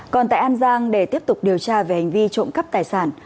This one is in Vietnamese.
còn tại an giang để tiếp tục điều tra về hành vi trộm cắp tài sản